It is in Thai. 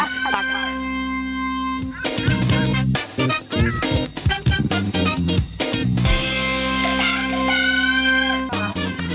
ตักบาทร่วมขัน